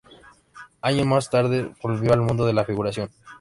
Años más tarde volvió al mundo de la figuración.